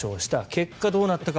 結果どうなったか。